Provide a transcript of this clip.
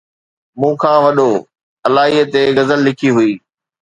مون کان وڏو! الائي ئي غزل لکي هئي